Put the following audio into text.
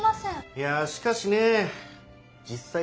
いやしかしねぇ実さい